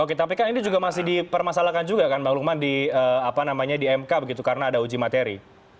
oke tapi kan ini juga masih dipermasalahkan juga kan bang lukman di mk begitu karena ada uji materi